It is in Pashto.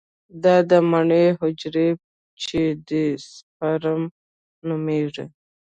دا د مني حجرې چې دي سپرم نومېږي.